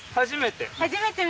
初めて？